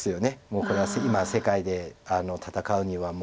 もうこれは今世界で戦うには。